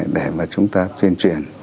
để mà chúng ta tuyên truyền